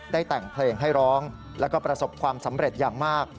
แต่งเพลงให้ร้องแล้วก็ประสบความสำเร็จอย่างมาก